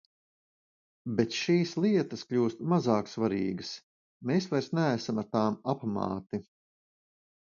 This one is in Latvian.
Bet šīs lietas kļūst mazāk svarīgas, mēs vairs neesam ar tām apmāti.